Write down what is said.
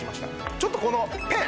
ちょっとこのペン。